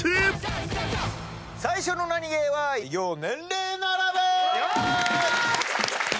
最初のナニゲーは偉業年齢ならべ！